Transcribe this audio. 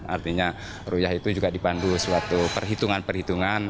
artinya ruyah itu juga dipandu suatu perhitungan perhitungan